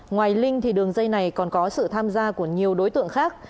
ngoài linh thì đường dây này còn có sự tham gia của nhiều đối tượng khác